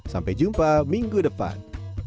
sampai jumpa minggu depan